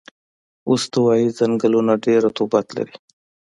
استوایي ځنګلونه ډېر رطوبت لري.